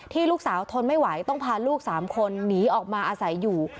ลูกสาวทนไม่ไหวต้องพาลูก๓คนหนีออกมาอาศัยอยู่